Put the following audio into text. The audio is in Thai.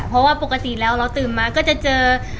เพราะว่าปกติเราตื่นมาก็เจอ